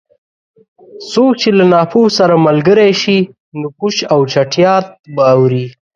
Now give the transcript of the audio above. څوک چې له ناپوه سره ملګری شي؛ نو پوچ او چټیات به اوري.